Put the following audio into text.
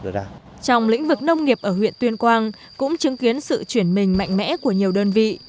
trong lĩnh vực nông nghiệp ở huyện tuyên quang cũng chứng kiến sự chuyển mình mạnh mẽ của nhiều đơn vị